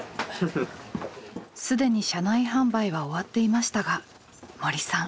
既に車内販売は終わっていましたが森さん。